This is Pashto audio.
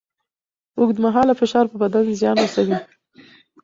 اوږدمهاله فشار پر بدن زیان رسوي.